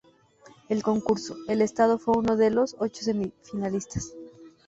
El concurso, el estado fue uno de los ocho semifinalistas.